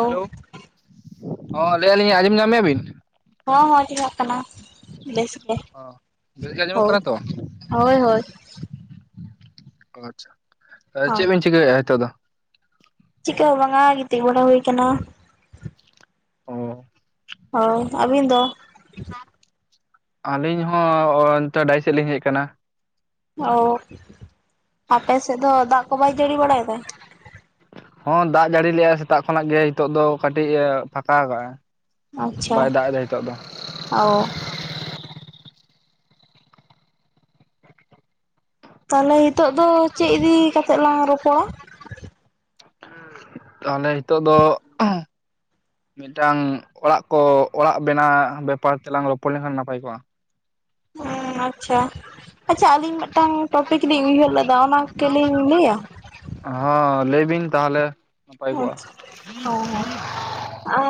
Hello ᱦᱚᱸᱻ ᱞᱟᱹᱭᱮᱫ ᱟᱹᱞᱤᱧ ᱟᱸᱡᱚᱢ ᱧᱟᱢᱮᱜ-ᱟ ᱵᱤᱱ ᱾ ᱦᱚᱸ ᱦᱚᱸ ᱟᱸᱡᱚᱢᱚᱜ ᱠᱟᱱᱟ ᱵᱮᱥ ᱜᱮ ᱚ ᱵᱮᱥ ᱜᱮ ᱾ ᱟᱸᱡᱚᱢᱚᱜ ᱦᱳᱭ ᱾ ᱠᱟᱱᱟ ᱛᱚ? ᱦᱳᱭ ᱦᱳᱭ ᱾ ᱟᱪᱪᱷᱟ ᱾ [inaudible] ᱛᱟᱦᱞᱮ ᱦᱳᱭ ᱪᱮᱫ ᱵᱤᱱ ᱪᱤᱠᱟᱹᱭᱮᱜᱼᱟ ᱱᱤᱛᱚᱜ ᱫᱚ? ᱪᱤᱠᱟᱹ ᱦᱚᱸ ᱵᱟᱝᱟ ᱜᱤᱛᱤᱡ ᱵᱟᱲᱟ ᱦᱩᱭ ᱠᱟᱱᱟ ᱾ ᱚᱻ ᱦᱚ, ᱟᱹᱵᱤᱱ ᱫᱚ? ᱟᱹᱞᱤᱧ ᱦᱚᱸ ᱚᱱᱛᱮ ᱰᱟᱦᱤ ᱥᱮᱫ ᱞᱤᱧ ᱦᱮᱡ ᱟᱠᱟᱱᱟ ᱾ ᱚ, ᱟᱯᱮ ᱥᱮᱫ ᱫᱚ ᱫᱟᱜ ᱠᱚ ᱵᱟᱭ ᱡᱟᱹᱲᱤ ᱵᱟᱲᱟᱭᱮᱫᱟ? ᱦᱚᱸ ᱫᱟᱜ ᱡᱟᱹᱲᱤ ᱞᱮᱫᱼᱟ ᱥᱮᱛᱟᱜ ᱠᱷᱚᱱᱟᱜ ᱜᱮ ᱾ ᱱᱤᱛᱚᱜ ᱫᱚ ᱠᱟᱹᱴᱤᱡᱼᱮ ᱯᱷᱟᱸᱠᱟ ᱟᱠᱟᱜᱼᱟ ᱾ ᱟᱪᱪᱷᱟ, [inaudible] ᱚ᱾ ᱛᱟᱦᱚᱞᱮ ᱦᱤᱛᱚᱜ ᱫᱚ ᱪᱮᱫ ᱤᱫᱤ ᱠᱟᱛᱮᱜ ᱞᱟᱝ ᱨᱚᱯᱚᱲᱟ? ᱛᱟᱦᱚᱞᱮ ᱦᱤᱛᱚᱜ ᱫᱚ ᱢᱤᱫᱴᱟᱝ ᱚᱲᱟᱜ ᱠᱚ, ᱚᱲᱟᱜ ᱵᱮᱱᱟᱣ ᱵᱮᱯᱟᱨ ᱛᱮᱞᱟᱝ ᱨᱚᱯᱚᱲ ᱞᱮᱱᱠᱷᱟᱱ ᱱᱟᱯᱟᱭ ᱠᱚᱜᱼᱟ᱾ [unintelligible] ᱟᱪᱪᱷᱟ, ᱟᱪᱪᱷᱟ ᱟᱹᱞᱤᱧ ᱢᱤᱫᱴᱟᱝ ᱴᱚᱯᱤᱠ ᱞᱤᱧ ᱩᱭᱦᱟᱹᱨ ᱞᱮᱫᱟ ᱚᱱᱟ ᱠᱮᱞᱤᱧ ᱞᱟᱹᱭᱟ? ᱦᱚᱸ, ᱞᱟᱹᱭ ᱵᱤᱱ ᱛᱟᱦᱚᱞᱮ ᱾ ᱚᱞ ᱪᱤᱠᱤ, ᱦᱮᱸ ᱦᱮᱸ ᱾ ᱟ,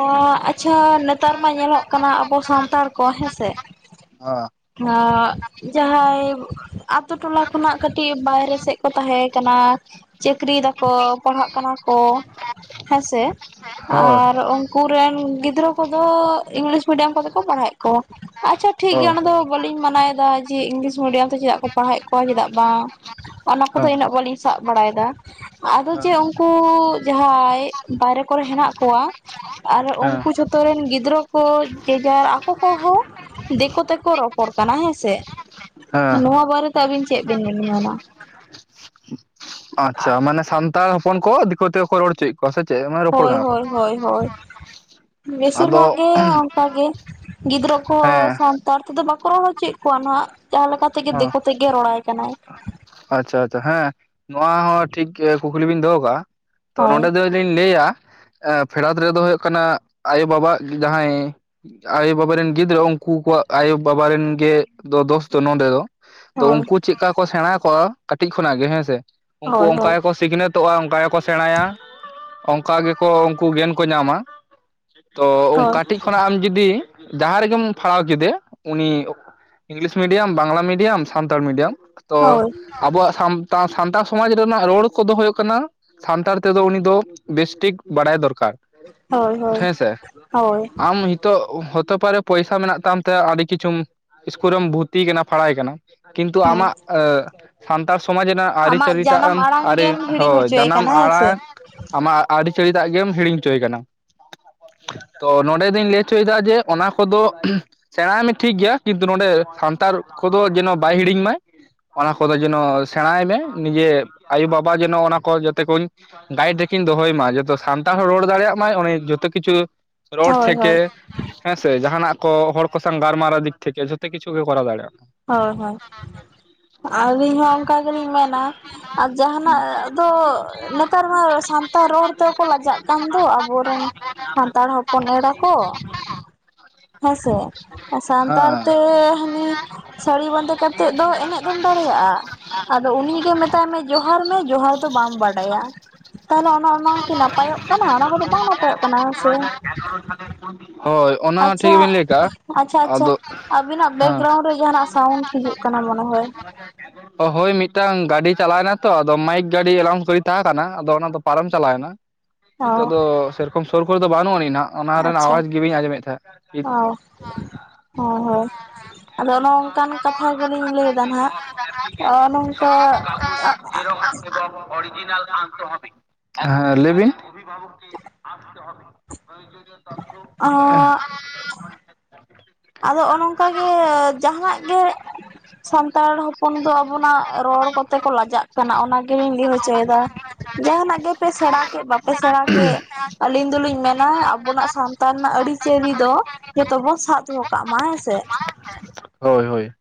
ᱟᱪᱪᱷᱟ ᱱᱮᱛᱟᱨ ᱢᱟ ᱧᱮᱞᱚᱜ ᱠᱟᱱᱟ ᱟᱵᱚ ᱥᱟᱱᱛᱟᱲ ᱠᱚ ᱦᱮᱸᱥᱮ ᱦᱚ ᱾ ᱟᱸ ᱡᱟᱦᱟᱸᱭ ᱟᱛᱳ ᱴᱚᱞᱟ ᱠᱷᱚᱱᱟᱜ ᱠᱟᱹᱴᱤᱡ ᱵᱟᱭᱨᱮ ᱥᱮᱫ ᱠᱚ ᱛᱟᱦᱮᱸ ᱟᱠᱟᱱᱟ ᱾ ᱪᱟᱹᱠᱨᱤᱭ ᱮᱫᱟ ᱠᱚ ᱯᱟᱲᱦᱟᱜ ᱠᱟᱱᱟ ᱠᱚ, ᱦᱮᱸᱥᱮ ᱦᱳᱭ ᱟᱨ ᱩᱱ ᱩᱱᱠᱩ ᱨᱮᱱ ᱜᱤᱫᱽᱨᱟᱹ ᱠᱚᱫᱚ ᱤᱝᱞᱤᱥ ᱢᱤᱰᱤᱭᱟᱢ ᱠᱚᱛᱮ ᱠᱚ ᱯᱟᱲᱦᱟᱣᱮᱫ ᱠᱚᱣᱟ ᱾ ᱟᱪᱪᱷᱟ ᱴᱷᱤᱠ ᱜᱮᱭᱟ ᱦᱳᱭ ᱚᱱᱟ ᱫᱚ ᱵᱟᱹᱞᱤᱧ ᱢᱟᱱᱟᱭ ᱮᱫᱟ ᱡᱮ ᱤᱝᱞᱤᱥ ᱢᱤᱰᱤᱭᱟᱢ ᱛᱮ ᱪᱮᱫᱟᱜ ᱠᱚ ᱯᱟᱲᱦᱟᱣᱮᱫ ᱠᱚᱣᱟ, ᱪᱮᱫᱟᱜ ᱵᱟᱝ ᱚᱱᱟ ᱠᱚᱫᱚ ᱦᱮᱸ ᱤᱱᱟᱹᱜ ᱵᱟᱹᱞᱤᱧ ᱥᱟᱵ ᱵᱟᱲᱟᱭᱮᱫᱟ ᱾ ᱟᱫᱚ ᱪᱮ ᱩᱱᱠᱩ ᱡᱟᱦᱟᱸᱭ ᱵᱟᱭᱨᱮ ᱠᱚᱨᱮ ᱦᱮᱱᱟᱜ ᱠᱚᱣᱟ ᱟᱨ ᱦᱮᱸ ᱩᱱᱠᱩ ᱡᱷᱚᱛᱚ ᱨᱮᱱ ᱜᱤᱫᱽᱨᱟᱹ ᱠᱚ ᱡᱮᱡᱟᱨ ᱟᱠᱚ ᱠᱚᱦᱚᱸ ᱫᱤᱠᱩ ᱛᱮᱠᱚ ᱨᱚᱯ ᱨᱚᱯᱚᱲ ᱠᱟᱱᱟ ᱦᱮᱸᱥᱮ ᱾ ᱦᱮᱸ ᱱᱚᱣᱟ ᱵᱟᱨᱮ ᱛᱮ ᱟᱹᱵᱤᱱ ᱪᱮᱫ ᱵᱤᱱ ᱢᱮᱱᱟ? ᱟᱪᱪᱷᱟ, ᱢᱟᱱᱮ ᱥᱟᱱᱛᱟᱲ ᱦᱚᱯᱚᱱ ᱠᱚ ᱫᱤᱠᱩ ᱛᱮᱠᱚ ᱨᱚᱲ ᱦᱚᱪᱚ ᱮᱫ ᱠᱚᱣᱟ ᱥᱮ ᱪᱮᱫ ᱢᱟᱱᱮ ᱨᱚᱯᱚᱲ ᱦᱳᱭ ᱠᱟᱱᱟ ᱠᱚ? ᱦᱳᱭ ᱦᱳᱭ ᱦᱳᱭ ᱾ ᱵᱮᱥᱤᱨ ᱵᱷᱟᱜᱽ ᱟᱫᱚ ᱜᱮ ᱚᱱᱠᱟ ᱜᱮ ᱜᱤᱫᱽᱨᱟᱹ ᱠᱚᱦᱚᱸ ᱦᱮᱸ ᱥᱟᱱᱛᱟᱲ ᱛᱮᱫᱚ ᱵᱟᱠᱚ ᱨᱚᱲᱚ ᱦᱚᱪᱚᱭᱮᱫ ᱠᱚᱣᱟ ᱱᱟᱦᱟᱜ ᱾ ᱡᱟᱦᱟᱸ ᱞᱮᱠᱟ ᱛᱮᱜᱮ ᱦᱮᱸ ᱫᱤᱠᱩ ᱛᱮ ᱜᱮ ᱨᱚᱲᱟᱭ ᱠᱟᱱᱟᱭ ᱾ ᱟᱪᱪᱷᱟ ᱟᱪᱪᱷᱟ ᱾ ᱦᱮᱸ, ᱱᱚᱣᱟ ᱦᱚᱸ ᱴᱷᱤᱠ ᱠᱩᱠᱞᱤ ᱵᱤᱱ ᱫᱚᱦᱚ ᱟᱠᱟᱜᱼᱟ, ᱛᱚ ᱦᱳᱭ ᱱᱚᱸᱰᱮ ᱫᱚ ᱞᱤᱧ ᱞᱟᱹᱭᱟ ᱯᱷᱮᱰᱟᱛ ᱨᱮᱫᱚ ᱦᱩᱭᱩᱜ ᱠᱟᱱᱟ ᱟᱭᱳ ᱵᱟᱵᱟ ᱡᱟᱦᱟᱸᱭ ᱟᱭᱳ ᱵᱟᱵᱟ ᱨᱮᱱ ᱜᱤᱫᱽᱨᱟᱹ ᱩᱱᱠᱩ ᱠᱚᱣᱟᱜ ᱟᱭᱳ ᱵᱟᱵᱟ ᱨᱮᱱ ᱜᱮ ᱫᱚᱥ ᱫᱚ ᱱᱚᱰᱮ ᱫᱚ ᱾ ᱛᱚ ᱦᱳᱭ ᱩᱱᱠᱩ ᱪᱮᱫᱠᱟ ᱠᱚ ᱥᱮᱬᱟ ᱟᱠᱚᱣᱟ ᱠᱟᱹᱴᱤᱡ ᱠᱷᱚᱱᱟᱜ ᱜᱮ ᱦᱮᱸᱥᱮ, ᱩᱱᱠᱩ ᱦᱳᱭ ᱚᱱᱠᱟ ᱜᱮᱠᱚ ᱥᱤᱠᱷᱱᱟᱹᱛᱚᱜᱼᱟ ᱚᱱᱠᱟ ᱜᱮᱠᱚ ᱥᱮᱬᱟᱭᱟ ᱾ ᱚᱱᱠᱟ ᱜᱮᱠᱚ ᱩᱱᱠᱩ ᱜᱮᱱ ᱠᱚ ᱧᱟᱢᱟ ᱾ ᱛᱚ ᱦᱳᱭ ᱠᱟᱴᱤᱡ ᱠᱷᱚᱱᱟᱜ ᱟᱢ ᱡᱩᱫᱤ ᱡᱟᱦᱟᱸ ᱨᱮᱜᱮᱢ ᱯᱷᱟᱲᱟᱣ ᱠᱮᱫᱮ, ᱩᱱᱤ English medium Bangla medium Santali medium ᱾ᱛᱚ ᱦᱳᱭ ᱟᱵᱚᱣᱟᱜ ᱥᱟᱱ ᱥᱟᱱᱛᱟᱲ ᱥᱚᱢᱟᱡᱽ ᱨᱮᱱᱟᱜ ᱨᱚᱲ ᱠᱚᱫᱚ ᱦᱩᱭᱩᱜ ᱠᱟᱱᱟ ᱥᱟᱱᱛᱟᱲ ᱛᱮᱫᱚ ᱩᱱᱤ ᱫᱚ ᱵᱮᱥᱴᱷᱤᱠ ᱵᱟᱲᱟᱭ ᱫᱚᱨᱠᱟᱨ ᱦᱳᱭ ᱾ ᱦᱳᱭ ᱦᱮᱸᱥᱮ ᱦᱳᱭ ᱦᱳᱭ ᱾ ᱟᱢ ᱱᱤᱛ ᱚᱜ ᱦᱚᱛᱮ ᱯᱟᱨᱮ ᱯᱚᱭᱥᱟ ᱢᱮᱱᱟᱜ ᱛᱟᱢ ᱛᱮ ᱟᱹᱰᱤ ᱠᱤᱪᱷᱩᱢ ᱤᱥᱠᱩᱞ ᱨᱮᱢ ᱵᱷᱩᱨᱛᱤ ᱮ ᱠᱟᱱᱟ ᱯᱷᱟᱲᱟᱣ ᱮ ᱠᱟᱱᱟ ᱾ ᱠᱤᱱᱛᱩ ᱦᱮᱸ ᱟᱢᱟᱜ ᱥᱟᱱᱛᱟᱲ ᱥᱚᱢᱟᱡᱽ ᱨᱮᱱᱟᱜ ᱟᱹᱨᱤ ᱟᱢᱟᱜ ᱪᱟᱹᱞᱤ ᱴᱟᱜ ᱡᱟᱱᱟᱢ ᱮᱢ ᱟᱲᱟᱝ ᱟᱹᱨᱤ ᱜᱮᱢ ᱦᱤᱲᱤᱧ ᱦᱳᱭ ᱦᱚᱪᱚᱭᱮ ᱡᱟᱱᱟᱢ ᱠᱟᱱᱟ ᱦᱮᱸ ᱥᱮ ᱟᱲᱟᱝ ᱟᱢᱟᱜ ᱟᱹᱨᱤᱪᱟᱹᱞᱤ ᱫᱟᱜ ᱜᱮᱢ ᱦᱤᱲᱤᱧ ᱦᱚᱪᱚᱭᱮ ᱠᱟᱱᱟ᱾ ᱛᱚ ᱱᱚᱸᱰᱮ ᱫᱩᱧ ᱞᱟᱹᱭ ᱦᱚᱪᱚ ᱭᱮᱫᱟ ᱡᱮ ᱚᱱᱟ ᱠᱚᱫᱚ᱾ ᱥᱮᱬᱟᱭ ᱢᱮ ᱴᱷᱤᱠ ᱜᱮᱭᱟ ᱠᱤᱱᱛᱩ ᱱᱚᱰᱮ ᱥᱟᱱᱛᱟᱲ ᱠᱚᱫᱚ ᱡᱮᱱᱚ ᱵᱟᱭ ᱦᱤᱲᱤᱧ ᱢᱟᱟᱭ ᱚᱱᱟ ᱠᱚᱫᱚ ᱡᱮᱱᱚ ᱥᱮᱬᱟᱭ ᱢᱮ ᱱᱤᱡᱮ ᱟᱭᱳᱼᱵᱟᱵᱟ ᱡᱮᱱᱚ ᱚᱱᱟ ᱠᱚ ᱡᱟᱛᱮ ᱠᱚᱧ ᱜᱟᱭᱤᱰ ᱨᱮᱠᱤᱱ ᱫᱚᱦᱚᱭ ᱢᱟ ᱡᱚᱛᱚ ᱥᱟᱱᱛᱟᱲ ᱦᱚᱲ ᱨᱚᱲ ᱫᱟᱲᱮᱭᱟᱜ ᱢᱟᱭ ᱚᱱᱮ ᱡᱚᱛᱚ ᱠᱤᱪᱷᱩ ᱨᱚᱲ ᱦᱳᱭ ᱦᱳᱭ ᱛᱷᱮᱠᱮ, ᱦᱮᱸ ᱥᱮ ᱡᱟᱦᱟᱱᱟᱜ ᱠᱚ ᱦᱚᱲ ᱠᱚ ᱥᱟᱶ ᱜᱟᱞᱢᱟᱨᱟᱣ ᱫᱤᱠ ᱛᱷᱮᱠᱮ ᱡᱚᱛᱚ ᱠᱤᱪᱷᱩ ᱜᱮ ᱠᱚᱨᱟᱣ ᱫᱟᱲᱮ ᱭᱟᱜᱼᱟ᱾ ᱦᱳᱭ ᱦᱳᱭ ᱟᱹᱞᱤᱧ ᱦᱚᱸ ᱚᱱᱠᱟ ᱜᱮᱞᱤᱧ ᱢᱮᱱᱟ ᱟᱨ ᱦᱩᱸ ᱡᱟᱦᱟᱸᱟᱱᱟᱜ ᱫᱚ ᱱᱮᱛᱟᱨ ᱢᱟ ᱥᱟᱱᱛᱟᱲ ᱨᱚᱲᱼᱼ ᱡᱚᱛᱚ ᱠᱚ ᱞᱟᱡᱟᱜ ᱠᱟᱱ ᱫᱚ ᱟᱵᱚᱨᱮᱱ ᱥᱟᱱᱛᱟᱲ ᱦᱚᱯᱚᱱ ᱮᱨᱟ ᱠᱚ᱾ ᱦᱮᱸᱥᱮ ᱥᱟᱱᱛᱟᱲ ᱦᱮᱸ ᱛᱮ ᱦᱟᱹᱱᱤ ᱥᱟᱹᱲᱤ ᱵᱟᱸᱫᱮ ᱠᱟᱛᱮᱫ ᱫᱚ ᱮᱱᱮᱡᱼᱼ ᱟᱫᱚᱢ ᱫᱟᱲᱮᱭᱟᱜᱼᱟ ᱟᱫᱚ ᱩᱱᱤ ᱜᱮ ᱢᱮᱛᱟᱭ ᱢᱮ ᱡᱚᱦᱟᱨ ᱢᱮ ᱡᱚᱦᱟᱨ ᱫᱚ ᱵᱟᱢ ᱵᱟᱰᱟᱭᱟ᱾ ᱛᱟᱦᱚᱞᱮ ᱚᱱᱮ ᱚᱱᱟ ᱠᱤ ᱱᱟᱯᱟᱭᱚᱜ ᱠᱟᱱᱟ ᱚᱱᱟ ᱠᱚᱫᱚ ᱵᱟᱝ ᱱᱟᱯᱟᱭᱚᱜ ᱠᱟᱱᱟ ᱥᱮᱼᱼ ᱦᱳᱭ ᱚᱱᱟ ᱴᱷᱤᱠ ᱜᱮᱵᱤᱱ ᱞᱟᱹᱭ ᱠᱟᱜᱼᱟ᱾ ᱟᱪᱪᱷᱟ ᱟᱪᱪᱷᱟ ᱟᱫᱚ ᱟᱵᱤᱱᱟᱜ ᱦᱮᱸ ᱵᱮᱠᱜᱨᱟᱣᱩᱱᱰ ᱨᱮ ᱡᱟᱦᱟᱱᱟᱜ ᱥᱟᱣᱩᱱᱰ ᱦᱤᱡᱩᱜ ᱠᱟᱱᱟ ᱢᱚᱱᱮ ᱦᱚᱭ [inaudible] ᱚ ᱦᱳᱭ ᱢᱤᱫᱴᱟᱝ ᱜᱟᱹᱰᱤ ᱪᱟᱞᱟᱣᱱᱟ ᱛᱚ ᱟᱫᱚ ᱢᱟᱭᱤᱠ ᱜᱟᱹᱰᱤ ᱮᱞᱟᱣᱩᱱᱥ ᱜᱟᱹᱰᱤ ᱛᱟᱦᱮᱸ ᱠᱟᱱᱟ ᱟᱫᱚ ᱚᱱᱟ ᱫᱚ ᱯᱟᱨᱚᱢ ᱪᱟᱞᱟᱣᱱᱟ᱾ ᱚ ᱱᱤᱛᱚᱜ ᱫᱚ ᱥᱮᱨᱚᱠᱚᱢ ᱥᱩᱨ ᱠᱚᱨᱮ ᱫᱚ ᱵᱟᱹᱱᱩᱜ ᱟᱹᱱᱤᱡ ᱱᱟᱦᱟᱜ ᱚᱱᱟ ᱨᱮᱱᱟᱜ ᱟᱣᱟᱡᱽ ᱜᱮ ᱵᱟᱹᱧ ᱟᱸᱡᱚᱢᱮᱫ ᱛᱟᱦᱮᱸᱫ᱾ ᱦᱳᱸ ᱦᱳᱸ ᱟᱫᱚ ᱚᱱᱮ ᱚᱱᱠᱟᱱ ᱠᱟᱛᱷᱟ ᱜᱮᱞᱤᱧ ᱞᱟᱹᱭᱮᱫᱟ ᱱᱟᱦᱟᱜ ᱱᱚᱝᱠᱟ᱾ ᱦᱮᱸ ᱞᱟᱹᱭᱵᱤᱱ? ᱟᱥᱛᱮ ᱦᱚᱵᱮ ᱯᱨᱭᱳᱡᱚᱱᱭᱚ ᱛᱚᱛᱷᱚ [unintelligible] ᱟᱫᱚ ᱚᱱᱠᱟ ᱜᱮ ᱡᱟᱦᱟᱜ ᱜᱮ ᱦ ᱥᱟᱱᱛᱟᱲ ᱦᱚᱯᱚᱱ ᱫᱚ ᱟᱵᱚᱱᱟᱜ ᱨᱚᱲ ᱠᱚᱛᱮ ᱠᱚ ᱞᱟᱡᱟᱜ ᱠᱟᱱᱟ ᱚᱱᱟ ᱜᱮᱞᱤᱧ ᱞᱟᱹᱭ ᱦᱚᱪᱚ ᱭᱮᱫᱟ᱾ ᱡᱟᱦᱟᱱᱟᱜ ᱜᱮᱯᱮ ᱥᱮᱬᱟ ᱠᱮᱫ ᱵᱟᱯᱮ ᱥᱮᱬᱟ ᱠᱮᱫ ᱟᱹᱞᱤᱧ ᱫᱚᱞᱤᱧ ᱢᱮᱱᱟ ᱟᱵᱚᱱᱟᱜ ᱥᱟᱱᱛᱟᱲ ᱨᱮᱱᱟᱜ ᱟᱹᱨᱤᱪᱟᱹᱞᱤ ᱫᱚ ᱡᱚᱛᱚᱵᱚᱱ ᱥᱟᱵ ᱫᱚᱦᱚ ᱠᱟᱜᱟ ᱢᱟᱭ ᱟ ᱥᱮᱼᱼ ᱦᱳᱭ ᱦᱳᱭ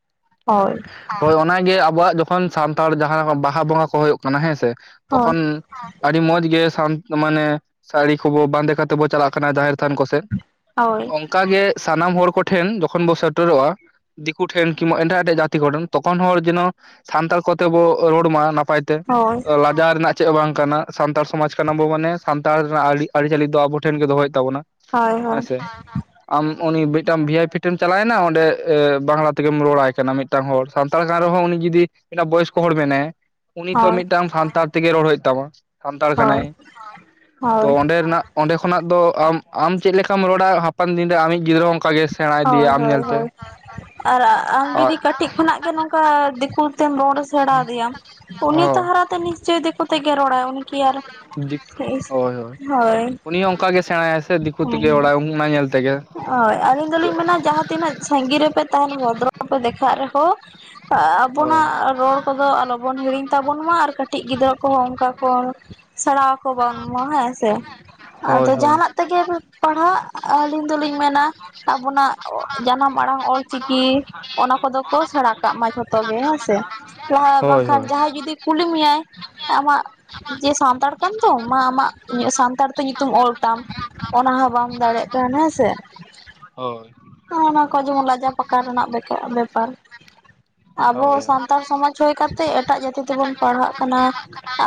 ᱦᱚᱭ ᱦᱳᱭ ᱚᱱᱟᱜᱮ ᱟᱵᱚᱣᱟᱜ ᱡᱚᱠᱷᱚᱱ ᱥᱟᱱᱛᱟᱲ ᱡᱟᱦᱟᱸ ᱵᱟᱦᱟ ᱵᱚᱸᱜᱟ ᱠᱚ ᱦᱩᱭᱩᱜ ᱠᱟᱱᱟ ᱦᱮᱸ ᱥᱮ ᱦᱳᱭ ᱛᱚᱠᱷᱚᱱᱼᱼ ᱟᱹᱰᱤ ᱢᱚᱡᱽ ᱜᱮ ᱢᱟᱱᱮ ᱥᱟᱹᱲᱤ ᱠᱚᱵᱚ ᱵᱟᱸᱫᱮ ᱠᱟᱛᱮ ᱵᱚ ᱪᱟᱞᱟᱜ ᱠᱟᱱᱟ ᱡᱟᱦᱮᱨ ᱛᱷᱟᱱ ᱠᱚ ᱥᱮᱫ᱾ ᱦᱳᱭ ᱚᱱᱠᱟ ᱜᱮ ᱥᱟᱱᱟᱢ ᱦᱚᱲ ᱠᱚᱴᱷᱮᱱ ᱡᱚᱠᱷᱚᱱ ᱵᱚᱱ ᱥᱮᱴᱮᱨᱚᱜᱼᱟ ᱫᱤᱠᱩ ᱴᱷᱮᱱ ᱠᱤᱢᱵᱟ ᱮᱸᱴᱟᱜ ᱮᱴᱟᱜ ᱡᱟᱹᱛᱤᱼᱼ ᱜᱷᱚᱴᱚᱱ ᱛᱚᱠᱷᱚᱱ ᱦᱚᱲ ᱡᱮᱱᱚ ᱥᱟᱱᱛᱟᱲ ᱠᱚᱛᱮ ᱵᱚ ᱨᱚᱲ ᱢᱟ ᱱᱟᱯᱟᱭ ᱛᱮᱼᱼ ᱦᱳᱭ ᱡᱟᱦᱟᱸ ᱨᱮᱱᱟᱜ ᱪᱮᱫ ᱵᱟᱝ ᱠᱟᱱᱟ ᱥᱟᱱᱛᱟᱲ ᱥᱚᱢᱟᱡᱽ ᱠᱟᱱᱟᱵᱚ ᱢᱟᱱᱮ ᱥᱟᱱᱛᱟᱲ ᱨᱮᱱᱟᱜ ᱟᱹ ᱟᱹᱨᱤᱪᱟᱹᱞᱤ ᱫᱚ ᱟᱵᱚ ᱴᱷᱮᱱ ᱜᱮ ᱫᱚᱦᱚᱭ ᱛᱟᱵᱚᱱᱟ᱾ ᱦᱳᱭ ᱦᱮᱸ ᱦᱳᱭ ᱥᱮ ᱟᱢ ᱩᱱᱤ ᱢᱤᱫᱴᱟᱝ ᱵᱷᱤ ᱟᱭ ᱯᱷᱤ ᱴᱮᱢ ᱪᱟᱞᱟᱣᱮᱱᱟ ᱚᱸᱰᱮ ᱵᱟᱝᱞᱟ ᱛᱮᱜᱮᱢ ᱨᱚᱲᱟᱭ ᱠᱟᱱᱟ ᱢᱤᱫᱼᱼ ᱢᱤᱫ ᱴᱟᱝ ᱦᱚᱲ ᱥᱟᱱᱛᱟᱲ ᱠᱟᱱ ᱨᱮᱦᱚᱸ ᱩᱱᱤ ᱡᱩᱫᱤ ᱵᱚᱭᱚᱥᱠᱚ ᱦᱚᱲ ᱢᱮᱱᱟᱭᱟ ᱩᱱᱤ ᱛᱚ ᱦᱳᱭ ᱢᱤᱫ ᱴᱟᱝ ᱥᱟᱱᱛᱟᱲᱼᱼ ᱛᱮᱜᱮ ᱨᱚᱲ ᱦᱩᱭᱩᱜ ᱛᱟᱢᱟ ᱥᱟᱱᱛᱟᱲ ᱦᱳᱭ ᱠᱟᱱᱟᱭ ᱦᱳᱭ ᱛᱚ ᱚᱸᱰᱮ ᱨᱮᱱᱟᱜᱼᱼ ᱚᱸᱰᱮ ᱠᱷᱚᱱᱟᱜ ᱫᱚ ᱟᱢ ᱟᱢ ᱪᱮᱫ ᱞᱮᱠᱟᱢ ᱨᱚᱲᱟ ᱦᱟᱯᱮᱱ ᱫᱤᱱ ᱨᱮ ᱟᱢᱤᱡ ᱜᱤᱫᱽᱨᱟᱹᱼᱼ ᱦᱳᱭ ᱦᱳᱭ ᱦᱳᱭ ᱟᱨ ᱟᱢ ᱟᱨ ᱡᱩᱫᱤ ᱠᱟᱹᱴᱤᱡᱼᱼ ᱠᱷᱚᱱᱟᱜ ᱜᱮ ᱱᱚᱝᱠᱟ ᱫᱤᱠᱩ ᱛᱮᱢ ᱨᱚᱲ ᱥᱮᱬᱟᱫᱮᱭᱟ ᱩᱱᱤ ᱦᱚᱸ ᱛᱟᱼᱼ ᱱᱤᱥᱪᱚᱭ ᱫᱠᱚ ᱛᱮᱜ ᱜᱮ ᱨᱚᱲᱟᱭ ᱩᱱᱤ ᱠᱤ ᱟᱨ ᱦᱳᱭ ᱦᱳᱭ ᱦᱮᱸ ᱩᱱᱤ ᱦᱚᱸ ᱚᱱᱠᱟ ᱜᱮ ᱥᱮᱬᱟᱭᱟᱭ ᱥᱮ ᱫᱤᱠᱩ ᱛᱮᱜᱮ ᱚᱲᱟᱜ ᱩᱢᱼᱼ ᱚᱱᱟ ᱧᱮᱞ ᱛᱮᱜᱮ᱾ ᱦᱳᱭ ᱟᱹᱞᱤᱧ ᱫᱚᱞᱤᱧ ᱢᱮᱱᱟ ᱡᱟᱦᱟᱸ ᱛᱤᱱᱟᱹᱜ ᱥᱟᱺᱜᱤᱧ ᱨᱮᱯᱮ ᱛᱟᱦᱮᱱ ᱵᱚᱫᱨᱚ ᱯᱮ ᱫᱮᱠᱷᱟᱜ ᱨᱮᱦᱚᱸᱼᱼ ᱟ ᱦᱳᱭ ᱵᱚᱱᱟᱜ ᱨᱚᱲ ᱠᱚᱫᱚ ᱟᱞᱚᱵᱚᱱ ᱦᱤᱲᱤᱧ ᱛᱟᱵᱚᱱ ᱢᱟ ᱟᱨ ᱠᱟᱹᱴᱤᱡ ᱜᱤᱫᱽᱨᱟᱹ ᱠᱚᱦᱚᱸ ᱚᱱᱠᱟ ᱠᱚ ᱥᱮᱬᱟ ᱠᱚ ᱵᱟᱝ ᱢᱟ ᱦᱮᱸ ᱥᱮ ᱟᱫᱚ ᱦᱳᱭ ᱦᱳᱭ ᱡᱟᱦᱟᱱᱟᱜ ᱛᱮᱜᱮ ᱯᱟᱲᱦᱟᱜ ᱩᱱ ᱫᱚᱞᱤᱧ ᱢᱮᱱᱟ ᱟᱵᱚᱱᱟᱜ ᱡᱟᱱᱟᱢ ᱟᱲᱟᱝ ᱚᱞ ᱪᱤᱠᱤ ᱚᱱᱟ ᱠᱚᱫᱚ ᱠᱚ ᱥᱮᱬᱟ ᱠᱟᱜ ᱢᱟ ᱡᱷᱚᱛᱚ ᱜᱮ ᱦᱮᱸᱥᱮ ᱞᱟᱦᱟ ᱵᱟᱝ ᱦᱳᱭ ᱠᱷᱟᱱ ᱦᱳᱭ ᱡᱟᱦᱟ ᱡᱩᱫᱤ ᱠᱩᱞᱤ ᱢᱮᱭᱟᱭ ᱟᱢᱟᱜ ᱡᱮ ᱥᱟᱢ ᱛᱟᱲ ᱠᱟᱱ ᱫᱚᱢ ᱢᱟ ᱟᱢᱟᱜ ᱥᱟᱱᱛᱟᱲ ᱛᱮ ᱧᱩᱛᱩᱢ ᱚᱞ ᱛᱟᱢ ᱚᱱᱟ ᱦᱚᱸ ᱵᱟᱢ ᱫᱟᱲᱮᱜ ᱦᱮᱸᱥᱮ ᱦᱳᱭ ᱚᱱᱟ ᱠᱚ ᱡᱮᱢᱚᱱ ᱞᱟᱡᱟ ᱯᱟᱠᱟ ᱨᱮᱱᱟᱜ ᱵᱮᱠᱟ ᱵᱮᱯᱟᱨ ᱟᱵᱚ ᱦᱳᱭ ᱥᱟᱱᱛᱟᱲ ᱥᱚᱢᱟᱡᱽ ᱦᱩᱭ ᱠᱟᱛᱮᱫ ᱮᱴᱟᱜ ᱡᱟᱹᱛᱤ ᱛᱮᱵᱚᱱ ᱯᱟᱲᱦᱟᱜ ᱠᱟᱱᱟ᱾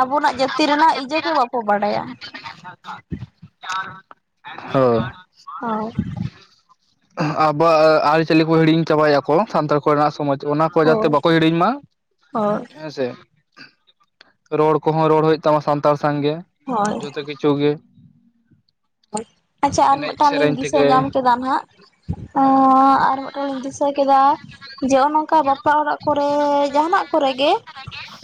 ᱟᱵᱚᱱᱟᱜ ᱡᱟᱹᱛᱤ ᱟᱵᱚᱣᱟᱜ ᱨᱮᱱᱟᱜ ᱡᱟᱹᱛᱤ ᱤᱡᱟᱹ ᱜᱮ ᱵᱟᱠᱚ ᱵᱟᱰᱟᱭᱟ ᱨᱮᱱᱟᱜ [unintelligible] ᱦᱳ ᱦᱳᱭ ᱟᱵᱚᱣᱟᱜ ᱟᱹᱨᱤᱪᱟᱹᱞᱤ ᱠᱚ ᱦᱤᱲᱤᱧ ᱪᱟᱵᱟᱭ ᱟᱠᱚ ᱥᱟᱱᱛᱟᱲ ᱠᱚᱨᱮᱱᱟᱜ ᱥᱚᱢᱟᱡᱽ ᱚᱱᱟ ᱠᱚ ᱡᱟᱛᱮ ᱦᱳᱭ ᱵᱟᱠᱚ ᱦᱤᱲᱤᱧ ᱢᱟ ᱦᱳᱭ ᱦᱮᱸᱥᱮ ᱨᱚᱲ ᱠᱚᱦᱚᱸ ᱨᱚᱲ ᱦᱩᱭᱩᱜ ᱛᱟᱢᱟ ᱥᱟᱱᱛᱟᱲ ᱥᱟᱶᱜᱮ ᱦᱳᱭ ᱡᱚᱛᱚ ᱜᱤ [unintelligible] ᱟᱪᱪᱷᱟ ᱟᱨ ᱢᱤᱫᱴᱟᱝ ᱞᱤᱧ ᱫᱤᱥᱟᱹ ᱧᱟᱢ ᱠᱮᱫᱟ ᱱᱟᱦᱟᱸᱜ ᱦᱮᱸ ᱟ ᱟᱨ ᱢᱤᱫᱴᱟᱝ ᱞᱤᱧ ᱫᱤᱥᱟᱹ ᱠᱮᱫᱟ ᱡᱮ ᱚᱱᱚᱠᱟ ᱵᱟ ᱯᱟ ᱚᱲᱟᱜ ᱠᱚᱨᱮ ᱡᱟᱦᱟᱱᱟᱜ ᱠᱚᱨᱮ ᱜᱮ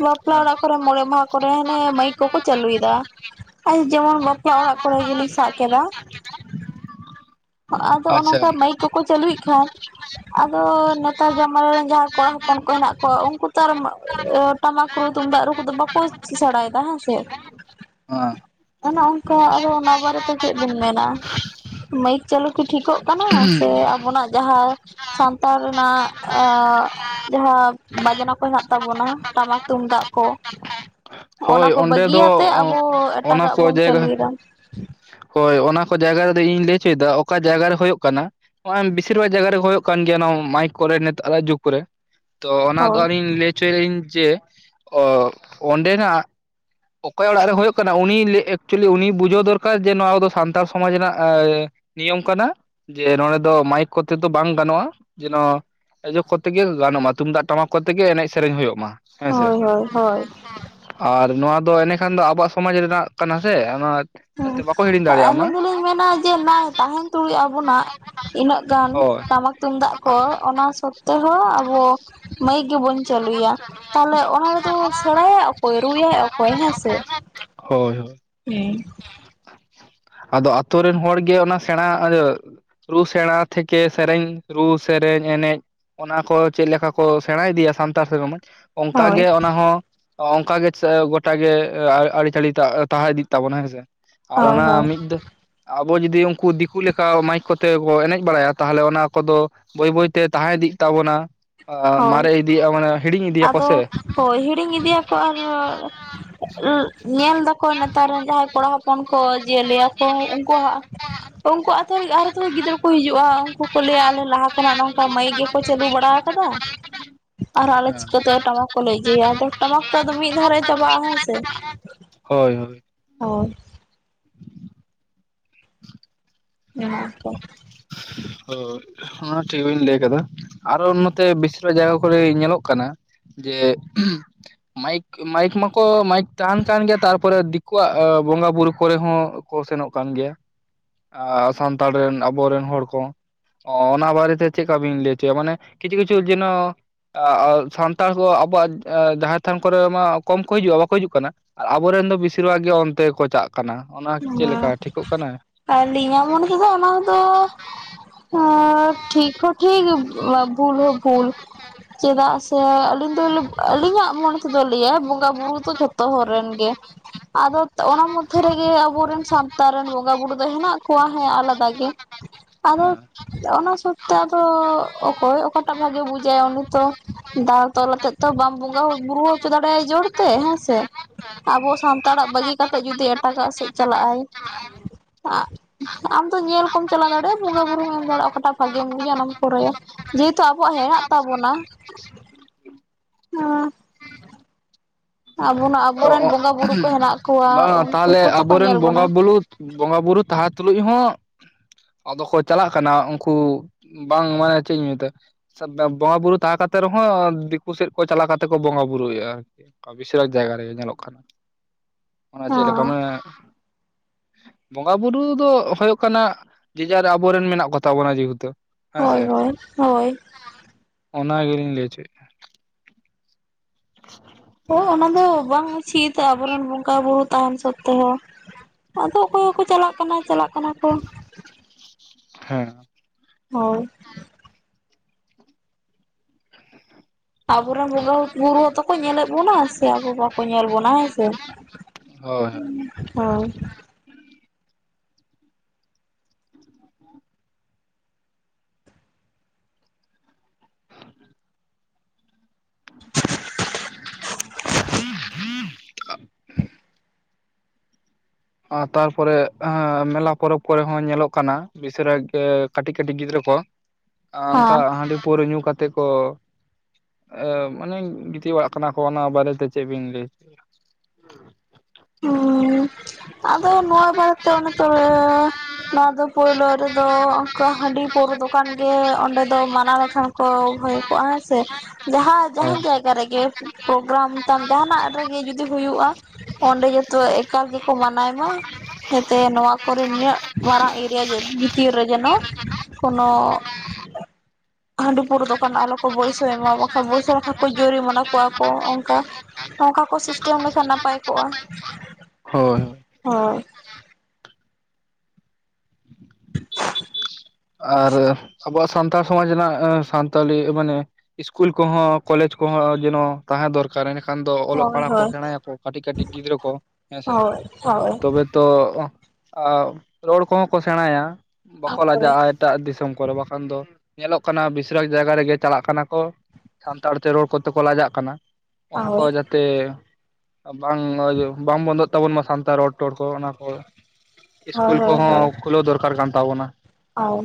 ᱵᱟᱯᱞᱟ ᱦᱮᱸ ᱚᱲᱟᱜ ᱠᱚᱨᱮ ᱢᱚᱬᱮ ᱢᱟᱦᱟ ᱠᱚᱨᱮ ᱚᱱᱮ ᱢᱟᱹᱭᱤᱠ ᱠᱚᱠᱚ ᱪᱟᱹᱞᱩᱭ ᱫᱟ ᱟᱨ ᱡᱮᱢᱚᱱ ᱵᱟᱯᱞᱟ ᱚᱲᱟᱜ ᱠᱚᱨᱮ ᱜᱮ ᱞᱤᱧ ᱥᱟᱵ ᱠᱮᱫᱟ᱾ ᱟᱫᱚ ᱚᱱᱟ ᱟᱪᱪᱷᱟ ᱚᱝᱠᱟ ᱢᱟᱹᱭᱤᱠ ᱠᱚᱠᱚ ᱪᱟᱹᱞᱩᱭᱮᱫ ᱠᱷᱟᱱ ᱟᱫᱚ ᱱᱮᱛᱟᱨ ᱡᱟᱢᱟ ᱨᱮᱱ ᱡᱟᱦᱟᱸ ᱠᱚᱲᱟ ᱦᱚᱯᱚᱱ ᱠᱚ ᱦᱮᱱᱟᱜ ᱠᱚᱣᱟ ᱩᱱᱠᱩ ᱛᱚ ᱟᱨ ᱴᱟᱢᱟᱠ ᱨᱩ ᱛᱩᱢᱫᱟᱜ ᱨᱩ ᱠᱚᱫᱚ ᱵᱟᱠᱚ ᱥᱮᱬᱟᱭᱮᱫᱟ ᱦᱮᱸ ᱥᱮ ᱦᱳ ᱚᱱᱮ ᱚᱱᱠᱟ ᱟᱫᱚ ᱚᱱᱟ ᱵᱟᱨᱮ ᱛᱮ ᱪᱮᱫ ᱵᱤᱱ ᱢᱮᱱᱟ? ᱢᱟᱹᱭᱤᱠ ᱪᱟᱞᱩ ᱠᱤ ᱴᱷᱤᱠᱚᱜ ᱠᱟᱱᱟ ᱥᱮ ᱟᱵᱚᱱᱟᱜ ᱡᱟᱦᱟᱸ ᱥᱟᱱᱛᱟᱲ ᱨᱮᱱᱟᱜ ᱮ ᱡᱟᱦᱟᱸ ᱵᱟᱡᱱᱟ ᱠᱚ ᱦᱮᱱᱟᱜ ᱛᱟᱵᱚᱱᱟ ᱴᱟᱢᱟᱠ ᱛᱩᱢᱫᱟᱜ ᱠᱚ᱾ ᱚᱱᱟ ᱦᱳᱭ ᱠᱚ ᱚᱸᱰᱮ ᱫᱚ ᱵᱟᱹᱜᱤᱭᱟᱛᱮ ᱟᱵᱚ ᱚᱱᱟ ᱮᱴᱟᱜᱟᱜ ᱠᱚ ᱵᱚᱱ ᱡᱟᱭᱜᱟ ᱪᱟᱹᱞᱩᱭᱮᱫᱟ᱾ ᱦᱳᱭ ᱚᱱᱟ ᱠᱚ ᱡᱟᱭᱜᱟ ᱨᱮᱫᱚ ᱤᱧ ᱞᱟᱹᱭ ᱪᱚᱭ ᱫᱟ ᱚᱠᱟ ᱡᱟᱭᱜᱟ ᱨᱮ ᱦᱩᱭᱩᱜᱳᱜ ᱠᱟᱱᱟ? ᱱᱚᱜᱼᱚᱭ ᱵᱮᱥᱤᱨ ᱵᱷᱟᱜᱽ ᱡᱟᱭᱜᱟ ᱨᱮᱜ ᱦᱩᱭᱩᱜ ᱠᱟᱱ ᱜᱮᱭᱟ ᱱᱚᱣᱟ ᱢᱟᱭᱤᱠ ᱠᱚᱨᱮ ᱱᱮᱛᱟᱨ ᱟᱜ ᱡᱩᱜᱽ ᱠᱚᱨᱮ᱾ ᱛᱚ ᱚᱱᱟᱫᱚ ᱦᱳᱭ ᱟᱹᱞᱤᱧ ᱞᱟᱹᱭ ᱞᱟᱹᱭᱪᱚᱭᱟᱞᱤᱧ ᱡᱮ ᱚ ᱚᱰᱮᱱᱟᱜ ᱚᱠᱚᱭᱟᱜ ᱚᱲᱟᱜ ᱨᱮ ᱦᱩᱭᱩᱜ ᱠᱟᱱᱟ ᱩᱱᱤ ᱞᱮ ᱮᱠ ᱪᱩᱞᱤ ᱩᱱᱤ ᱵᱩᱡᱷᱟᱹᱣ ᱫᱚᱨᱠᱟᱨ ᱡᱮ ᱱᱚᱣᱟ ᱠᱚᱫᱚ ᱥᱟᱱᱛᱟᱲ ᱥᱚᱢᱟᱡᱽ ᱨᱮᱱᱟᱜ ᱮ ᱱᱤᱭᱚᱢ ᱠᱟᱱᱟ᱾ ᱡᱮ ᱱᱚᱰᱮ ᱫᱚ ᱢᱟᱭᱤᱠ ᱠᱚᱛᱮ ᱫᱚ ᱵᱟᱝ ᱜᱟᱱᱚᱜᱼᱟ ᱡᱮᱱᱚ ᱤᱭᱟᱹ ᱠᱚᱛᱮ ᱜᱮ ᱜᱟᱱᱚᱜ ᱢᱟ ᱛᱩᱢᱫᱟᱜ ᱴᱟᱢᱟᱠ ᱠᱚᱛᱮ ᱜᱮ ᱮᱱᱮᱡ ᱥᱮᱨᱮᱧ ᱦᱩᱭᱩᱜ ᱢᱟ᱾ ᱦᱮᱸᱥᱮ ᱦᱳᱭ ᱦᱳᱭ ᱦᱳᱭ ᱟᱨ ᱱᱚᱣᱟ ᱫᱚ ᱮᱱᱮᱠᱷᱟᱱ ᱫᱚ ᱟᱵᱚᱣᱟᱜ ᱥᱚᱢᱟᱡᱽ ᱨᱮᱱᱟᱜ ᱠᱟᱱᱟ ᱥᱮ ᱚᱱᱟ ᱡᱟᱛᱮ ᱵᱟᱠᱚ ᱦᱤᱲᱤᱧ ᱦᱮᱸ ᱫᱟᱲᱮᱭᱟᱜ ᱢᱟ ᱟᱹᱞᱤᱧ ᱫᱚᱞᱤᱧ ᱢᱮᱱᱟ ᱡᱮ ᱱᱟᱭ ᱛᱟᱦᱮᱱ ᱛᱩᱞᱩᱡ ᱟᱵᱚᱱᱟᱜ ᱤᱱᱟᱹᱜ ᱜᱟᱱ ᱦᱳᱭ ᱴᱟᱢᱟᱠ ᱛᱩᱢᱫᱟᱜ ᱠᱚ ᱚᱱᱟ ᱥᱚᱛᱮᱦᱚ ᱟᱵᱚ ᱢᱟᱹᱭᱤᱠ ᱜᱮᱵᱚᱱ ᱪᱟᱹᱞᱩᱭᱟ ᱛᱟᱦᱚᱞᱮ ᱚᱱᱟ ᱨᱮᱫᱚ ᱥᱮᱬᱟᱭᱟ ᱚᱠᱚᱭ ᱨᱩᱭᱟᱭ ᱚᱠᱚᱭ? ᱦᱮᱸᱥᱮ ᱦᱳᱭ ᱦᱳ ᱤᱧ ᱟᱫᱚ ᱟᱛᱳ ᱨᱮᱱ ᱦᱚᱲ ᱜᱮ ᱚᱱᱟ ᱥᱮᱬᱟ ᱤᱭᱟᱹ ᱨᱩ ᱥᱮᱬᱟ ᱛᱷᱮᱠᱮ ᱥᱮᱨᱮᱧ ᱨᱩ ᱥᱮᱨᱮᱧ ᱮᱱᱮᱡ ᱚᱱᱟ ᱠᱚ ᱪᱮᱫ ᱞᱮᱠᱟ ᱠᱚ ᱥᱮᱬᱟ ᱤᱫᱤᱭᱟ ᱥᱟᱱᱛᱟᱲ ᱥᱮᱲᱚᱢᱟᱪ ᱦᱳᱭ ᱚᱱᱠᱟᱜᱮ ᱚᱱᱟ ᱦᱚᱸ ᱚᱱᱠᱟᱜᱮ ᱜᱚᱴᱟᱜᱮ ᱟᱨ ᱟᱹᱨᱤᱪᱟᱹᱞᱤ ᱴᱟᱜ ᱛᱟᱦᱮᱸ ᱤᱫᱤᱜ ᱛᱟᱵᱚᱱᱟ ᱦᱮᱸᱥᱮ ᱟᱨ ᱦᱳᱭ ᱚᱱᱟ ᱦᱳᱭ ᱢᱤᱫ ᱫᱚ ᱟᱵᱚ ᱡᱩᱫᱤ ᱩᱱᱠᱩ ᱫᱤᱠᱩ ᱞᱮᱠᱟ ᱢᱟᱭᱤᱠ ᱠᱚᱛᱮ ᱵᱚᱱ ᱮᱱᱮᱡ ᱵᱟᱲᱟᱭᱟ, ᱛᱟᱦᱚᱞᱮ ᱚᱱᱟ ᱠᱚᱫᱚ ᱵᱟᱹᱭ ᱵᱟᱹᱭᱛᱮ ᱛᱟᱦᱮᱸ ᱤᱫᱤᱜ ᱛᱟᱵᱚᱱᱟ ᱦᱳᱭ ᱢᱟᱨᱮ ᱤᱫᱤᱜᱼᱟ, ᱦᱤᱲᱤᱧ ᱤᱫᱤᱭᱟᱠᱚ ᱟᱫᱚ ᱥᱮ? ᱦᱳᱭ ᱦᱤᱲᱤᱧ ᱤᱫᱤᱭ ᱟᱨ ᱧᱮᱞ ᱮᱫᱟ ᱠᱚ ᱱᱮᱛᱟᱨ ᱨᱮᱱ ᱡᱟᱦᱟᱸᱭ ᱠᱚᱲᱟ ᱦᱚᱯᱚᱱ ᱠᱚ ᱡᱮ ᱞᱟᱹᱭ ᱟᱠᱚ ᱩᱱᱠᱩᱣᱟᱜ ᱩᱱᱠᱩ ᱟᱹᱛᱩ ᱨᱮ ᱟᱨᱦᱚᱸ ᱛᱚ ᱜᱤᱫᱽᱨᱟᱹ ᱠᱚ ᱦᱤᱡᱩᱜᱼᱟ᱾ ᱩᱱᱠᱩ ᱠᱚ ᱞᱟᱹᱭᱟ ᱟᱞᱮ ᱞᱟᱦᱟ ᱠᱷᱚᱱᱟᱜ ᱱᱚᱝᱠᱟ ᱢᱟᱭᱤᱠ ᱜᱮ ᱠᱚ ᱪᱟᱹᱞᱩ ᱵᱟᱲᱟ ᱟᱠᱟᱫᱟ᱾ [inaudible] ᱟᱨ ᱟᱞᱮ ᱦᱮᱸ ᱪᱤᱠᱟᱹᱛᱮ ᱴᱟᱢᱟᱠ ᱠᱚᱞᱮ ᱤᱭᱟᱹᱭᱟ, ᱟᱫᱚ ᱴᱟᱢᱟᱠ ᱛᱚ ᱟᱫᱚ ᱢᱤᱫ ᱫᱷᱟᱣᱨᱮ ᱪᱟᱵᱟᱜᱼᱟ ᱦᱮᱸᱥᱮ? ᱦᱳᱭ ᱦᱳᱭ᱾ ᱦᱳᱭ᱾ [inaudible] ᱤᱱᱟ ᱚᱠᱛᱚ ᱦᱳᱭ᱾ ᱚᱱᱟ ᱦᱚᱸ ᱴᱷᱤᱠ ᱵᱮᱱ ᱞᱟᱹᱭ ᱟᱠᱟᱫᱟ, ᱟᱨᱦᱚᱸ ᱱᱚᱛᱮ ᱵᱮᱥᱤᱨ ᱵᱷᱟᱜ ᱡᱟᱭᱜᱟ ᱠᱚᱨᱮ ᱧᱮᱞᱚᱜ ᱠᱟᱱᱟ ᱡᱮ ᱢᱟᱭᱤᱠ ᱢᱟᱭᱤᱠ ᱢᱟᱠᱚ ᱢᱟᱭᱤᱠ ᱛᱟᱦᱮᱱ ᱠᱟᱱ ᱜᱮᱭᱟ, ᱛᱟᱨᱯᱚᱨᱮ ᱫᱤᱠᱩᱣᱟᱜ ᱵᱚᱸᱜᱟ ᱵᱩᱨᱩ ᱠᱚᱨᱮ ᱦᱚᱸ ᱠᱚᱱ ᱥᱮᱱᱚᱜ ᱠᱟᱱ ᱜᱮᱭᱟ᱾ ᱥᱟᱱᱛᱟᱲ ᱨᱮᱱ ᱟᱵᱚ ᱨᱮᱱ ᱦᱚᱲ ᱠᱚᱦᱚᱸ ᱚᱱᱟ ᱵᱟᱨᱮᱛᱮ ᱪᱮᱫ ᱞᱮᱠᱟ ᱵᱤᱱ ᱞᱟᱹᱭ ᱦᱚᱪᱚᱭᱟ? ᱢᱟᱱᱮ ᱠᱤᱪᱷᱩ ᱠᱤᱪᱷᱩ ᱡᱮᱱᱚ ᱥᱟᱱᱛᱟᱲ ᱠᱚ ᱟᱵᱚᱣᱟᱜ ᱡᱟᱦᱮᱨ ᱛᱷᱟᱱ ᱠᱚᱨᱮ ᱢᱟ ᱠᱚᱢ ᱠᱚ ᱦᱤᱡᱩᱜᱼᱟ᱾ ᱵᱟᱠᱚ ᱦᱤᱡᱩᱜ ᱠᱟᱱᱟ᱾ ᱟᱨ ᱟᱵᱚᱨᱮᱱ ᱫᱚ ᱵᱮᱥᱤᱨ ᱵᱷᱟᱜᱽ ᱜᱮ ᱚᱱᱛᱮ ᱠᱚ ᱪᱟᱞᱟᱜ ᱠᱟᱱᱟ᱾ ᱚᱱᱟ ᱪᱮᱫᱠᱟ ᱴᱷᱤᱠᱚᱜ ᱠᱟᱱᱟ? ᱟᱞᱤᱧᱟᱹᱜ ᱢᱚᱱᱮ ᱛᱮᱫᱚ ᱚᱱᱟ ᱫᱚ ᱴᱷᱤᱠ ᱦᱚᱸ ᱴᱷᱤᱠ ᱵᱷᱩᱞ ᱦᱚᱸ ᱵᱷᱩᱞ ᱪᱮᱫᱟᱜ ᱥᱮ ᱛᱚ ᱟᱹᱞᱤᱧ ᱫᱚ ᱟᱹᱞᱤᱧᱟᱜ ᱢᱚᱱᱮ ᱛᱮᱫᱚ ᱞᱟᱹᱭᱟᱭ ᱵᱚᱸᱜᱟ ᱵᱩᱨᱩ ᱫᱚ ᱡᱷᱚᱛᱚ ᱦᱚᱲ ᱨᱮᱱ ᱜᱮ ᱟᱫᱚ ᱚᱱᱟ ᱢᱚᱫᱷᱮ ᱨᱮ ᱟᱵᱚᱨᱮᱱ ᱥᱟᱱᱛᱟᱲ ᱨᱮᱱ ᱵᱚᱸᱜᱟ ᱵᱩᱨᱩ ᱫᱚ ᱦᱮᱱᱟᱜ ᱠᱚᱣᱟ ᱦᱮᱸ ᱟᱞᱟᱫᱟ ᱜᱮ᱾ ᱟᱫᱚ ᱚᱱᱟ ᱦᱤᱥᱟᱹᱵᱽ ᱛᱮ ᱟᱫᱚ ᱚᱠᱚᱭ ᱚᱠᱟᱴᱟᱜ ᱵᱷᱟᱜᱮ ᱵᱩᱡᱟᱭ ᱩᱱᱤ ᱛᱚ᱾ ᱫᱟᱣ ᱛᱚᱞ ᱟᱛᱮᱫ ᱛᱚ ᱵᱟᱢ ᱵᱚᱸᱜᱟ ᱵᱩᱨᱩ ᱦᱚᱪᱚ ᱫᱟᱲᱮᱭᱟ ᱡᱳᱨ ᱛᱮ᱾ ᱦᱮᱸᱥᱮ? ᱟᱵᱚ ᱥᱟᱱᱛᱟᱲᱟᱜ ᱵᱟᱹᱜᱤ ᱠᱟᱛᱮᱫ ᱡᱩᱫᱤ ᱮᱴᱟᱜᱟᱜ ᱥᱮᱫ ᱪᱟᱞᱟᱜᱼᱟᱭ᱾ ᱟᱢ ᱫᱚ ᱧᱮᱞ ᱠᱚᱢ ᱪᱟᱞᱟᱣ ᱫᱟᱲᱮᱭᱟᱜᱼᱟ, ᱵᱚᱸᱜᱟ ᱵᱩᱨᱩᱢ ᱮᱢ ᱫᱟᱲᱮᱭᱟᱜᱼᱟ᱾ ᱚᱠᱟᱴᱟᱜ ᱵᱷᱟᱜᱮᱢ ᱵᱩᱡᱟ ᱚᱱᱟᱢ ᱠᱚᱨᱟᱣᱟ᱾ ᱡᱮᱦᱮᱛᱩ ᱟᱵᱚᱣᱟᱜ ᱦᱮᱱᱟᱜ ᱛᱟᱵᱚᱱᱟ ᱦᱮᱸ ᱟᱵᱚᱱᱟᱜ ᱟᱵᱚᱨᱮᱱ ᱵᱚᱸᱜᱟ ᱵᱩᱨᱩ ᱠᱚ ᱦᱮᱱᱟᱜ ᱠᱚᱣᱟ, ᱵᱟᱝ ᱩᱱᱠᱩ ᱛᱟᱦᱚᱞᱮ ᱠᱚ ᱛᱚ ᱠᱚ ᱧᱮᱞ ᱟᱵᱚᱨᱮᱱ ᱵᱚᱱᱟ᱾ ᱵᱚᱸᱜᱟ ᱵᱩᱞᱩ ᱵᱚᱸᱜᱟ ᱵᱩᱨᱩ ᱛᱟᱦᱮᱸ ᱛᱩᱞᱩᱡ ᱦᱚᱸ ᱟᱫᱚ ᱠᱚ ᱪᱟᱞᱟᱜ ᱠᱟᱱᱟ᱾ ᱩᱱᱠᱩ ᱵᱟᱝ ᱢᱟᱱᱮ ᱪᱮᱫ ᱤᱧ ᱢᱮᱛᱟᱭ ᱵᱚᱸᱜᱟ ᱵᱩᱨᱩ ᱛᱟᱦᱮᱸ ᱠᱟᱛᱮ ᱨᱮᱦᱚᱸ ᱫᱤᱠᱩ ᱥᱮᱫ ᱠᱚ ᱪᱟᱞᱟᱣ ᱠᱟᱛᱮ ᱠᱚ ᱵᱚᱸᱜᱟ ᱵᱩᱨᱩ ᱮᱫᱟ᱾ ᱠᱟᱯᱷᱤ ᱥᱟᱨᱟ ᱡᱟᱭᱜᱟ ᱨᱮᱜᱮ ᱧᱮᱞᱚᱜ ᱠᱟᱱᱟ᱾ ᱚᱱᱟ ᱪᱮᱫ ᱞᱮᱠᱟ ᱦᱮᱸ ᱢᱟᱱᱮ ᱵᱚᱸᱜᱟ ᱵᱩᱨᱩ ᱫᱚ ᱦᱩᱭᱩᱜ ᱠᱟᱱᱟ ᱡᱮ ᱡᱟᱨ ᱟᱵᱚᱨᱮᱱ ᱢᱮᱱᱟᱜ ᱠᱚ ᱛᱟᱵᱚᱱᱟ, ᱡᱮᱦᱮᱛᱩ ᱦᱮᱸ ᱥᱮ ᱦᱳᱭ ᱦᱳᱭ ᱦᱳᱭ᱾ ᱚᱱᱟ ᱜᱮᱞᱤᱧ ᱞᱟᱹᱭ ᱦᱚᱪᱚᱭᱮᱫᱼᱟ᱾ [inaudible] ᱳ ᱚᱱᱟ ᱫᱚ ᱵᱟᱝ ᱩᱪᱤᱛ ᱟᱵᱚᱨᱮᱱ ᱵᱚᱸᱜᱟ ᱵᱩᱨᱩ ᱛᱟᱦᱮᱱ ᱥᱚᱛᱛᱮ ᱦᱚᱸ᱾ ᱟᱫᱚ ᱚᱠᱚᱭ ᱠᱚ ᱠᱚ ᱪᱟᱞᱟᱜ ᱠᱟᱱᱟ, ᱪᱟᱞᱟᱜ ᱠᱟᱱᱟ ᱠᱚ᱾ ᱦᱮᱸ᱾ ᱦᱳᱭ᱾ ᱟᱵᱚ ᱨᱮᱱ ᱵᱚᱸᱜᱟ ᱵᱩᱨᱩ ᱦᱚᱸᱛᱚ ᱠᱚ ᱧᱮᱞᱮᱜ ᱵᱚᱱᱟ ᱥᱮ ᱟᱵᱚ ᱵᱟᱠᱚ ᱧᱮᱞ ᱵᱚᱱᱟ ᱦᱮᱸ ᱥᱮ ᱦᱳᱭ ᱦᱳᱭ, ᱦᱚᱭ, [inaudible] [unintelligible] ᱟᱻ ᱛᱟᱨᱯᱚᱨᱮ ᱟᱻ ᱢᱮᱞᱟ ᱯᱚᱨᱚᱵᱽ ᱠᱚᱨᱮ ᱦᱚᱸ ᱧᱮᱞᱚᱜ ᱠᱟᱱᱟ ᱵᱤᱥᱤᱨᱟᱠ ᱜᱮ ᱠᱟᱹᱴᱤᱡ ᱠᱟᱹᱴᱤᱡ ᱜᱤᱫᱽᱨᱟᱹ ᱠᱚ, ᱟᱻ ᱚᱱᱠᱟ ᱦᱮᱸ ᱦᱟᱺᱰᱤ ᱯᱟᱹᱣᱨᱟᱹ ᱧᱩ ᱠᱟᱛᱮᱜ ᱠᱚ, ᱟᱻ ᱢᱟᱱᱮ ᱜᱤᱛᱤᱡ ᱵᱟᱲᱟᱜ ᱠᱟᱱᱟ ᱠᱚ ᱚᱱᱟ ᱵᱟᱨᱮ ᱛᱮ ᱪᱮᱫ ᱵᱤᱱ ᱞᱟᱹᱭ ᱾ ᱦᱩᱻ ᱟᱫᱚ ᱱᱚᱣᱟ ᱵᱟᱨᱮ ᱛᱮ ᱚᱱᱮ ᱛᱚᱻ ᱱᱚᱣᱟ ᱫᱚ ᱯᱳᱭᱞᱳ ᱨᱮᱫᱚ ᱚᱱᱠᱟ ᱦᱟᱺᱰᱤ ᱯᱟᱹᱣᱨᱟᱹ ᱫᱚᱠᱟᱱ ᱜᱮ ᱚᱸᱰᱮ ᱫᱚ ᱢᱟᱱᱟ ᱞᱮᱠᱷᱟᱱ, ᱠᱚ ᱦᱳᱭ ᱠᱚᱜᱼᱟ ᱦᱮᱸ ᱥᱮ ᱡᱟᱦᱟᱸ ᱦᱳᱭ ᱡᱟᱦᱟᱱ ᱡᱟᱭ ᱜᱟ ᱨᱮᱜᱮ ᱯᱨᱳᱠᱨᱟᱢ ᱛᱟᱢ ᱡᱟᱦᱟᱱᱟᱜ ᱨᱮᱜᱮ ᱡᱩᱫᱤ ᱦᱩᱭᱩᱜᱼᱟ, ᱚᱸᱰᱮ ᱡᱚᱛᱚ ᱮᱠᱟᱞ ᱜᱮ, ᱠᱚ ᱢᱟᱱᱟᱭ ᱢᱟ ᱡᱟᱛᱮ ᱱᱚᱣᱟ ᱠᱚᱨᱮᱱ ᱱᱤᱱᱟᱹᱜ ᱢᱟᱨᱟᱝ ᱮᱨᱤᱭᱟ ᱵᱷᱤᱛᱤᱨ ᱨᱮ ᱡᱮᱱᱚ, ᱠᱚᱱᱚ, [inaudible] ᱦᱟᱺᱰᱤ ᱯᱟᱹᱣᱨᱟᱹ ᱫᱚᱠᱟᱱ ᱟᱞᱚ ᱠᱚ ᱵᱳᱭᱥᱳᱭ ᱢᱟ ᱵᱟᱠᱷᱟᱱ ᱵᱳᱥᱳᱭ ᱞᱮᱠᱷᱟᱱ ᱠᱚ ᱡᱩᱨᱤᱢᱟᱱᱟ ᱠᱚᱣᱟ ᱠᱚ ᱚᱝᱠᱟ ᱾ ᱚᱝᱠᱟ ᱠᱚ ᱥᱤᱥᱴᱮᱢ ᱞᱮᱠᱷᱟᱱ ᱱᱟᱯᱟᱭ ᱠᱚᱜᱼᱟ ᱦᱳᱭ ᱾ ᱦᱳᱭ [inaudible] ᱟᱨ ᱟᱵᱚᱣᱟᱜ ᱥᱟᱱᱛᱟᱲ ᱥᱚᱢᱟᱡᱽ ᱨᱮᱱᱟᱜ ᱥᱟᱱᱛᱟᱞᱤ ᱢᱟᱱᱮ, ᱤᱥᱠᱩᱞ ᱠᱚᱦᱚᱸ ᱠᱚᱞᱮᱡᱽ ᱠᱚᱦᱚᱸ ᱡᱮᱱᱚ‌, ᱛᱟᱦᱮᱸ ᱫᱚᱨᱠᱟᱨ ᱮᱸᱰᱮ ᱠᱷᱟᱱ ᱫᱚ ᱚᱞᱚᱜ ᱦᱳᱭ ᱯᱟᱲᱦᱟᱜ ᱠᱚ ᱦᱳᱭ ᱥᱮᱬᱟᱭᱟᱠᱚ ᱠᱟᱹᱴᱤᱡ ᱠᱟᱹᱴᱤᱡ ᱜᱤᱫᱽᱨᱟᱹ ᱠᱚ ᱦᱮᱸ ᱥᱮ ᱾ ᱦᱳᱭᱻ ᱦᱳᱭ ᱛᱚ ᱟᱻ ᱨᱚᱲ ᱠᱚᱦᱚᱸ ᱠᱚ ᱥᱮᱬᱟᱭᱟ ᱵᱟᱠᱚ ᱞᱟᱡᱟᱜᱼᱟ ᱾ ᱮᱴᱟᱜ ᱫᱤᱥᱚᱢ ᱠᱚᱨᱮ ᱵᱟᱠᱷᱟᱱ ᱫᱚ ᱧᱮᱞᱚᱜ ᱠᱟᱱᱟ ᱵᱤᱥᱤᱨᱟᱠ ᱡᱟᱭᱜᱟ ᱨᱮᱜᱮ ᱪᱟᱞᱟᱜ ᱠᱟᱱᱟ ᱠᱚ ᱾ ᱥᱟᱱᱛᱟᱲ ᱛᱮ ᱨᱚᱲ ᱠᱚᱛᱮ ᱠᱚ ᱞᱟᱡᱟᱜ ᱠᱟᱱᱟ ᱾ ᱚᱱᱟ ᱠᱚ ᱦᱳᱭ ᱡᱟᱛᱮ ᱵᱟᱝ, ᱵᱟᱝ ᱵᱚᱱᱫᱚᱜ ᱾ ᱛᱟᱵᱚᱱ ᱢᱟ ᱥᱟᱱᱛᱟᱲ ᱨᱚᱲ ᱴᱚᱲ ᱠᱚ ᱚᱱᱟ ᱠᱚ ᱦᱳᱭ ᱤᱥᱠᱩᱞ ᱦᱳᱭ ᱠᱚᱦᱚᱸ ᱠᱷᱩᱞᱟᱹᱣ ᱫᱚᱨᱠᱟᱨ ᱠᱟᱱ ᱛᱟᱵᱚᱱᱟ ᱾ ᱚᱻ